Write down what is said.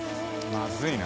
まずいな。